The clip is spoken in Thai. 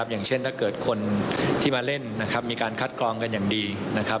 อย่างเช่นถ้าเกิดคนที่มาเล่นนะครับมีการคัดกรองกันอย่างดีนะครับ